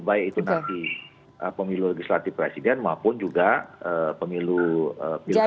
baik itu nanti pemilu legislatif presiden maupun juga pemilu pilkada